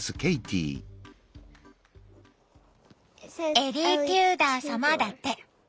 「エリー・テューダー様」だって。